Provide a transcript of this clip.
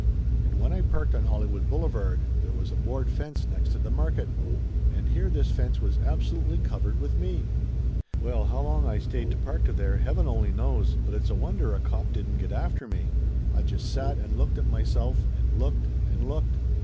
And when I parked on Hollywood Boulevard there was a board fence next to the market, and here this fence was absolutely covered with me ! Well, how long I stayed parked there, heaven only knows, but it's a wonder a cop didn't get after me. I just sat and looked at myself and looked and looked.